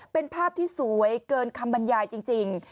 เป็นภาพที่สวยเกินคำบรรยายจริง